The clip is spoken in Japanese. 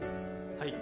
はい。